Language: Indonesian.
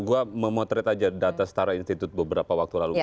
gue memotret aja data setara institut beberapa waktu lalu